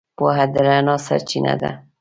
پوهه د رڼا سرچینه ده.